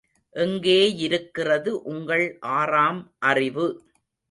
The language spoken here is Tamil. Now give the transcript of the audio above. எங்கேயிருக்கிறது உங்கள் ஆறாம் அறிவு?